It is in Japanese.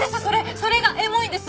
それがエモいんです。